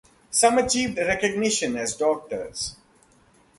Some achieved recognition as doctors.